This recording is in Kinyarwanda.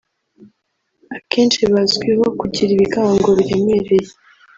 akenshi bazwiho kugira ibigango biremereye